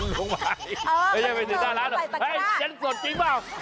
เออมันเกิดไปตักล้าไม่ใช่ไปสินค้าร้านเฮ้ยเส้นสดจริงเปล่า